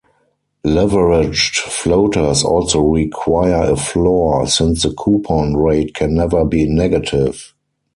Leveraged floaters also require a floor, since the coupon rate can never be negative.